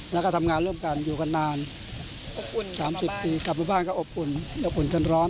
แล้วก็ทำงานร่วมกันอยู่กันนาน๓๐ปีกลับมาบ้านก็อบอุ่นอบอุ่นจนร้อน